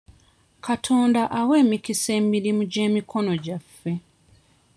Katonda awa emikisa emirimu gy'emikono gyaffe.